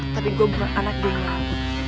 tapi gue bukan anak dia yang nyangkut